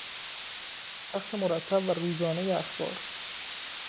پخش مرتب و روزانهی اخبار